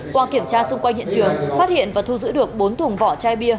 qua kiểm tra xung quanh hiện trường phát hiện và thu giữ được bốn thùng vỏ chai bia